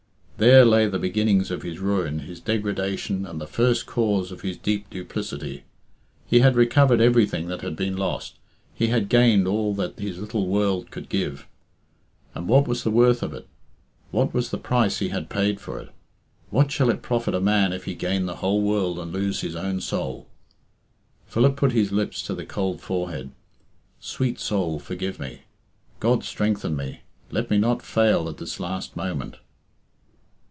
There lay the beginnings of his ruin, his degradation, and the first cause of his deep duplicity. He had recovered everything that had been lost; he had gained all that his little world could give; and what was the worth of it? What was the price he had paid for it? "What shall it profit a man if he gain the whole world and lose his own soul?" Philip put his lips to the cold forehead. "Sweet soul, forgive me! God strengthen me! Let me not fail at this last moment."